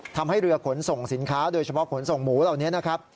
ทำให้เรือขนส่งสินค้าโดยเฉพาะขนส่งหมูเหล่านี้นะครับ